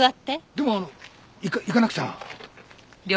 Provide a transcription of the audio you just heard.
でもあの行かなくちゃ。